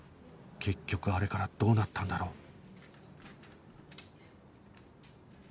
結局あれからどうなったんだろう？